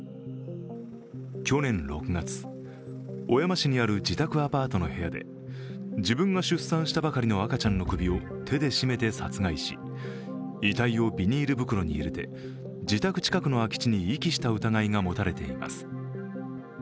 去年６月、小山市にある自宅アパートの部屋で自分が出産したばかりの赤ちゃんの首を手で絞めて殺害し遺体をビニール袋に入れて、自宅近くの空き地に遺棄した疑いが持たれています。